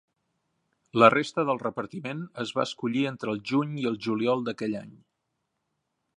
La resta del repartiment es va escollir entre el juny i el juliol d'aquell any.